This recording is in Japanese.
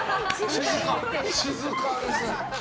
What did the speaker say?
静かですね。